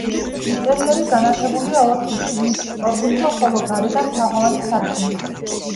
ინტერიერი განათებულია ოთხი, შიგნით სწორკუთხა, ხოლო გარედან თაღოვანი სარკმლით.